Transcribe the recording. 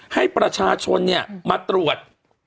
ให้ประชาชนเนี่ยมาตรวจ